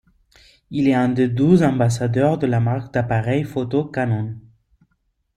Il est un des douze ambassadeurs de la marque d’appareils photos Canon.